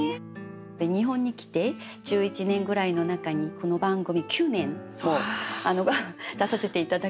日本に来て１１年ぐらいの中にこの番組９年も出させて頂きまして。